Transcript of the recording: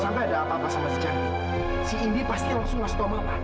kalau sampai ada apa apa sama si cantik si indi pasti langsung ngasih tau mama